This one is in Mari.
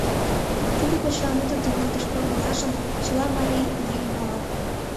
Тиде почеламутын тӱҥалтыш корнылажым чыла марий еҥ пала.